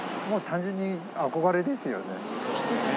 もう単純に憧れですよね。